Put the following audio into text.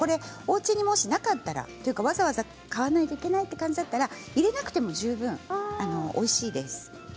おうちに、もしなかったらわざわざ買わないといけないという感じだったら入れなくてもおいしいです。